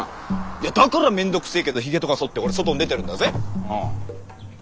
いやだからめんどくせーけどヒゲとか剃って俺外に出てるんだぜ。